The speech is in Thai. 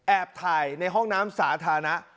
ถ่ายในห้องน้ำสาธารณะ